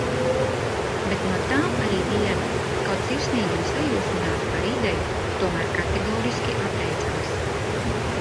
Bet no tām arī viena, kaut sirsnīgi un sajūsmināti par ideju, tomēr kategoriski atteicās.